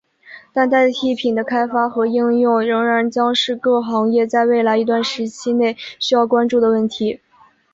但替代品的开发和应用仍然将是各行业在未来一段时期内需要关注的问题。